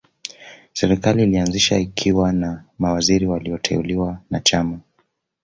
Serikali ilianzishwa ikiwa na mawaziri walioteuliwa na Chama